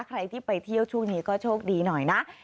ใครที่ไปเที่ยวช่วงนี้ก็โชคดีหน่อยนะ